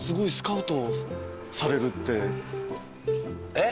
えっ？